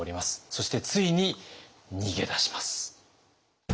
そしてついに逃げ出します。